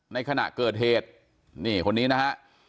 ในขณะเกิดเหตุนี่คนนี้นะฮะ